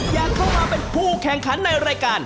อยากเข้ามาเป็นผู้แข่งขันในรายการ